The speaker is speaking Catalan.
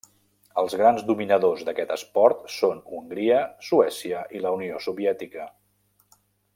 Els grans dominadors d'aquest esport són Hongria, Suècia i la Unió Soviètica.